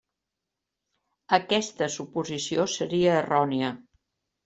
Aquesta suposició seria errònia.